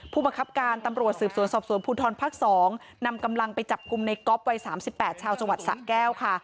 ผู้บังคับการตำรวจสืบสวนสอบสวนภูทรภาค๒นำกำลังไปจับกลุ่มในก๊อฟวัย๓๘ชาวจังหวัดสะแก้วค่ะ